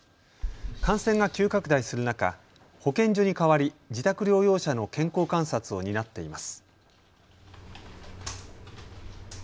感染が急拡大する中、保健所に代わり、自宅療養者の健康観察を担っています。